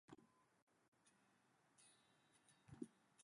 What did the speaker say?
Need base Financial Aid is available as well as Merit Scholarships.